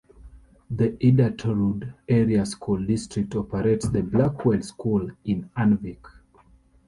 The Iditarod Area School District operates the Blackwell School in Anvik.